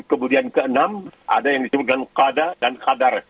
kemudian ke enam ada yang disebutkan qadar dan qadar